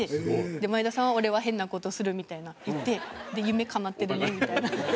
真栄田さんは「俺は変な事する」みたいなん言って夢かなってるねみたいな。